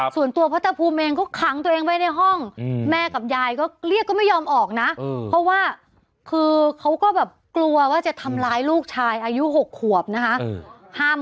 ส่วนตัวพระตะภูมิเองก็ขังตัวเองไว้ในห้องแม่กับยายก็เรียกก็ไม่ยอมออกนะเพราะว่าคือเขาก็แบบกลัวว่าจะทำร้ายลูกชายอายุ๖ขวบนะคะ